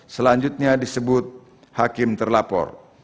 selanjutnya disebut hakim terlapor